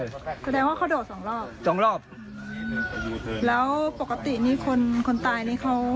แสดงว่าเขาโดดสองรอบสองรอบแล้วปกตินี่คนคนตายนี่เขา